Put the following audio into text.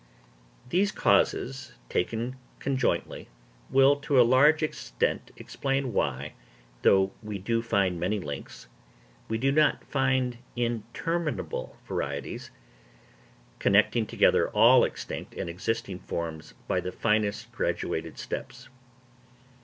These causes, taken conjointly, will to a large extent explain why—though we do find many links—we do not find interminable varieties, connecting together all extinct and existing forms by the finest graduated steps.